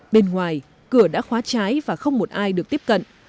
bên ngoài cửa đã khóa trái và không một ai được tiếp cận